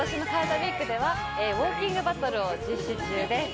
ＷＥＥＫではウオーキングバトルを実施中です。